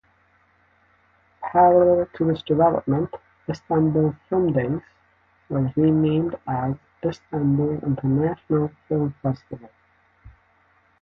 Parallel to this development, "Istanbul Filmdays" was renamed as "Istanbul International Film Festival".